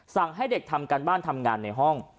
ให้เด็กทำการบ้านทำงานในห้อง